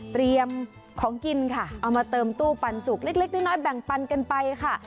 เตรียมของกินค่ะเอามาเติมตู้ปันสุกเล็กน้อยแบ่งปันกันไปค่ะ